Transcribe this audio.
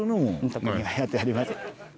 特にはやっておりません。